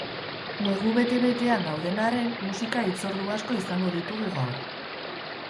Negu bete-betean gauden arren, musika hitzordu asko izango ditugu gaur.